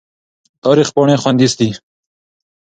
تاریخ پاڼې خوندي دي.